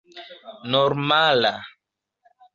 normala